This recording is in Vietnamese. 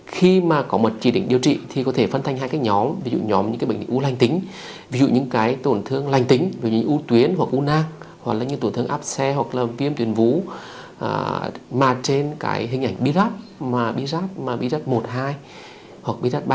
khi mà có một chỉ định điều trị thì có thể phân thành hai cái nhóm ví dụ nhóm những cái bệnh là u lanh tính ví dụ những cái tổn thương lanh tính ví dụ như u tuyến hoặc u nang hoặc là những tổn thương áp xe hoặc là viêm tuyến vú mà trên cái hình ảnh virus mà virus một hai hoặc virus ba